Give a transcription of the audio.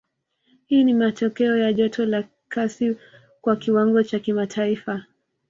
Hii ni matokeo ya joto la kasi kwa kiwango cha kimataifa